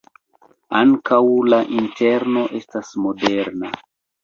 Ankaŭ la interno estas moderna.